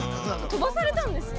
とばされたんですよ。